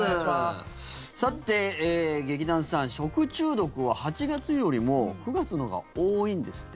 さて劇団さん、食中毒は８月よりも９月のほうが多いんですって。